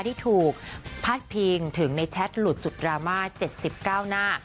ที่ถูกพาดพิงถึงในแชทหลุดสุดดราม่า๗๙หน้า